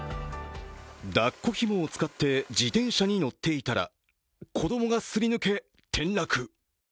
抱っこひもを使って自転車に乗っていたら子供がすり抜け、転落。